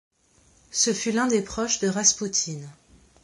Ce fut l'un des proches de Raspoutine.